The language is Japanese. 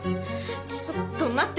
ちょっと待って。